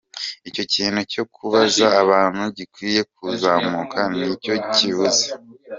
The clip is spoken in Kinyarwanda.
Icyo kintu cyo kubaza abantu gikwiye kuzamuka, ni cyo kibuze.